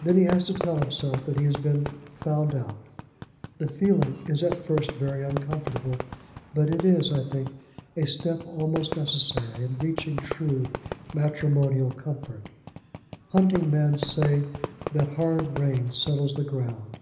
Then he has to tell himself that he has been "found out." The feeling is at first very uncomfortable; but it is, I think, a step almost necessary in reaching true matrimonial comfort. Hunting men say that hard rain settles the ground.